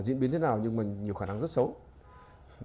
diễn biến thế nào nhưng mà nhiều khả năng rất xấu